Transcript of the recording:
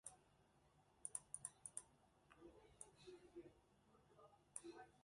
The project to build an aerodrome ultimately failed.